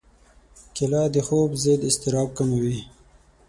کېله د خوب ضد اضطراب کموي.